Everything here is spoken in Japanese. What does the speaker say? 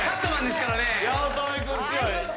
八乙女君強い。